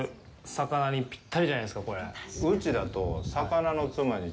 魚にぴったりじゃないですか、これ。